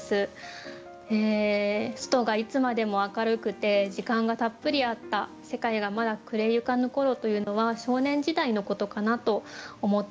外がいつまでも明るくて時間がたっぷりあった世界がまだ昏れゆかぬころというのは少年時代のことかなと思って読みました。